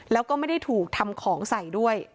แล้วก็ไม่ได้ถูกทำของใส่ด้วย